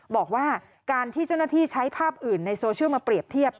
บอกว่าการที่เจ้าหน้าที่ใช้ภาพอื่นในโซเชียลมาเปรียบเทียบ